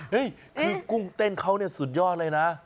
เฮ้ยคือกุ้งเต้นเขาเนี่ยสุดยอดเลยนะ